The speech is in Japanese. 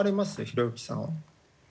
ひろゆきさんは。